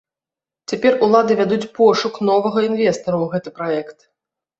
Цяпер улады вядуць пошук новага інвестара ў гэты праект.